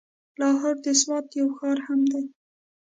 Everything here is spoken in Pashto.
لاهور د سوات يو ښار هم دی.